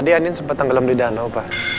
tadi andin sempet tenggelam di danau pak